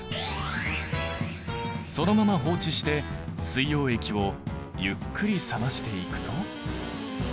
そのまま放置して水溶液をゆっくり冷ましていくと。